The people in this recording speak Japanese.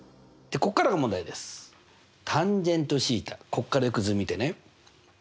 ここからよく図見てね。